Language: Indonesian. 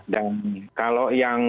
dan kalau yang